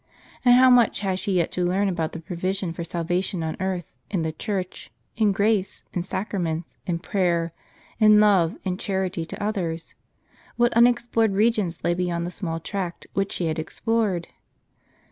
And how much had she yet to learn about the provision for salvation on earth, in the Church, in grace, in sacraments, in prayer, in love, in charity to others ! What unexplored regions lay beyond the small tract which she had explored